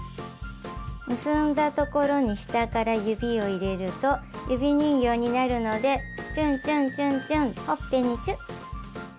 結んだ所に下から指を入れると指人形になるのでちゅんちゅんちゅんちゅんほっぺにチュ。